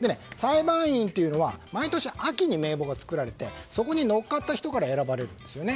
裁判員というのは毎年秋に名簿が作られてそこに載った人から選ばれるんです。